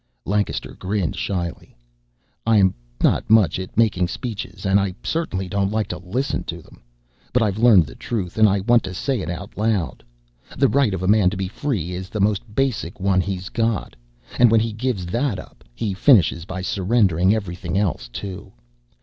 Lancaster grinned shyly. "I'm not much at making speeches, and I certainly don't like to listen to them. But I've learned the truth and I want to say it out loud. The right of man to be free is the most basic one he's got, and when he gives that up he finishes by surrendering everything else too.